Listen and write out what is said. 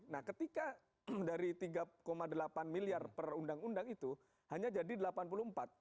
nah ketika dari tiga delapan miliar per undang undang itu hanya jadi rp delapan puluh empat triliun